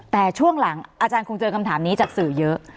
แต่ช่วงหลังอาจารย์คงเจอคำถามนี้จากสื่อเยอะ